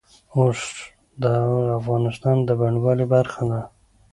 اوښ د افغانستان د بڼوالۍ برخه ده.